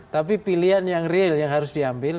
tapi pilihan yang real yang harus diambil